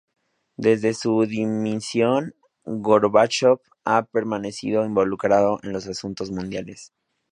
Desde su dimisión, Gorbachov ha permanecido involucrado en los asuntos mundiales.